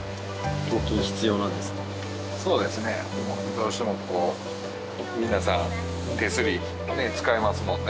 どうしてもこう皆さん手すり使いますもんね。